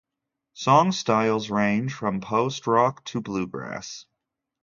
Song styles range from post-rock to bluegrass.